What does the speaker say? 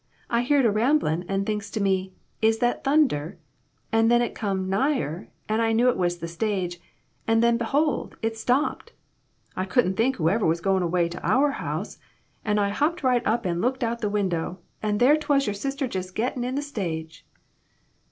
I heerd a rumblin', an' thinks to me, ' Is that thunder ?' An' then it come nigher, an' I knew it was the stage, an' then behold, it stopped ! I couldn't think whoever was goin' away to our house, an' I hopped right up an' looked out of the window, an' there 'twas your sister jest gettin' in the stage."